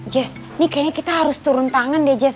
jess nih kayaknya kita harus turun tangan deh jess